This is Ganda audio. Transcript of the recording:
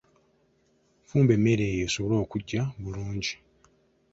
Fumba emmere eyo esobole okuggya bulungi.